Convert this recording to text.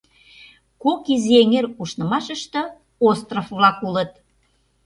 Кок изи эҥер ушнымашыште остров-влак улыт.